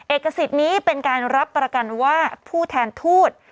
เอกสิทธิ์นี้เป็นการรับประกันว่าผู้แทนทูต